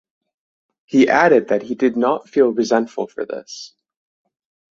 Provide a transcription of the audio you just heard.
He added that he did not feel resentful for this.